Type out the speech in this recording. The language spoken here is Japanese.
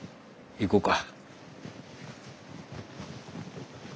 行こうか。